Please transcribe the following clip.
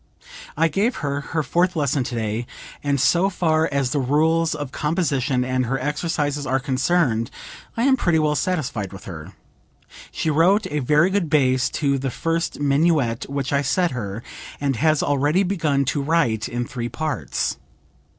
I gave her her fourth lesson today, and so far as the rules of composition and her exercises are concerned I am pretty well satisfied with her. She wrote a very good bass to the first minuet which I set her, and has already begun to write in three parts.